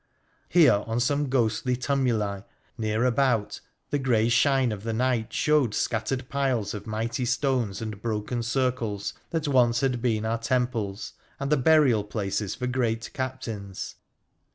Here, on some ghostly tumuli near about, the grey shine of the night showed scattered piles of mighty stones and broken circles that once had been our temples and the burial places for great captains.